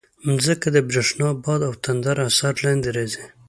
مځکه د برېښنا، باد او تندر اثر لاندې راځي.